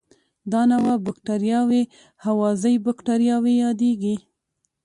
دا نوعه بکټریاوې هوازی باکتریاوې یادیږي.